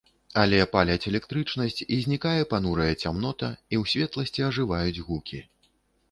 Але паляць электрычнасць, і знікае панурая цямнота, і ў светласці ажываюць гукі.